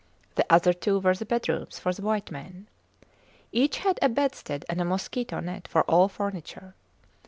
The other two were the bedrooms for the white men. Each had a bedstead and a mosquito net for all furniture.